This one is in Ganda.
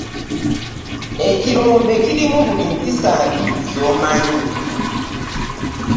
Ekirombe kirimu buli mpisa embi zomanyi.